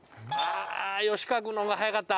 吉川君のほうが早かった。